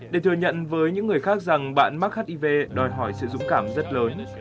để thừa nhận với những người khác rằng bạn mắc hiv đòi hỏi sự dũng cảm rất lớn